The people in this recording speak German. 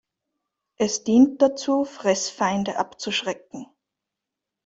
Es dient dazu, Fressfeinde abzuschrecken.